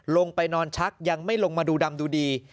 ลงไปนอนชักยังไม่ลงมาดูดำดูดี